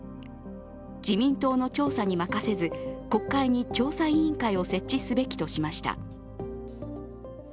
自民党の調査に任せず、国会に調査委員会を設置すべきとしました。